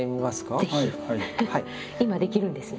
今できるんですね。